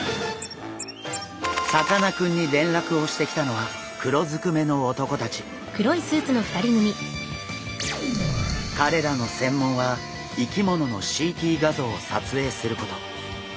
さかなクンに連絡をしてきたのはかれらの専門は生き物のＣＴ画像を撮影すること。